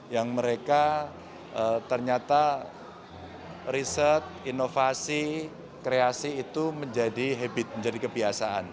yang mereka ternyata riset inovasi kreasi itu menjadi habit menjadi kebiasaan